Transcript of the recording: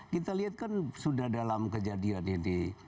kita lihat kan sudah dalam kejadian ini